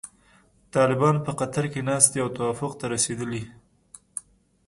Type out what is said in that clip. طالبان په قطر کې ناست دي او توافق ته رسیدلي.